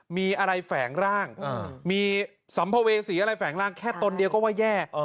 มีอะไรแฝงร่างมีสัมภเวษีอะไรแฝงร่างแค่ตนเดียวก็ว่าแย่